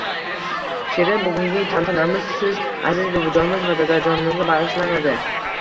Shirin: Bugungi tantanamiz siz aziz buvijonimiz va dodajonimizga bag’ishlanadi...